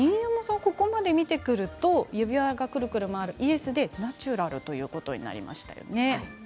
ここまで見てくると指輪がくるくる回る、イエスでナチュラルということになりましたよね。